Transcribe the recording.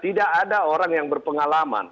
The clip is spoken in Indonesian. tidak ada orang yang berpengalaman